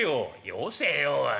「よせよおい。